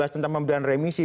tentang pemberian remisi